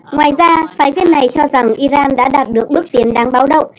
ngoài ra phái viên này cho rằng iran đã đạt được bước tiến đáng báo động